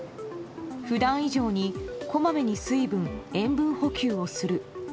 普段以上にこまめに水分・塩分補給をする。